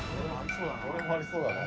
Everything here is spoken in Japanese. どれもありそうだな。